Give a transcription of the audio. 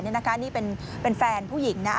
เนี่ยนะคะนี่เป็นแฟนผู้หญิงนะ